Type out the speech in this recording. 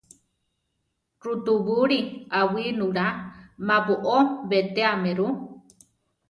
Rutubúli awínula má boʼó betéame ru.